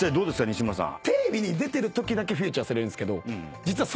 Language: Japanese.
西村さん。